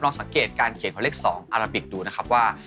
สังเกตการเขียนของเลข๒อาราบิกดูนะครับว่า